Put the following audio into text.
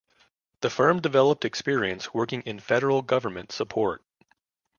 The firm developed experience working in federal government support.